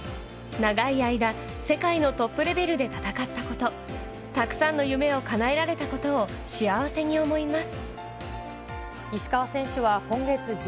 長い間、世界のトップレベルで戦ったこと、たくさんの夢をかなえられたことを幸せに思います。